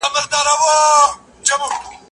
که وخت وي، پوښتنه کوم!؟